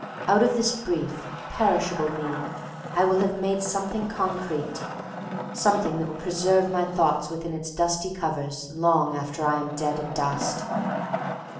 Out of this brief, perishable Me I will have made something concrete, something that will preserve my thought within its dusty covers long after I am dead and dust.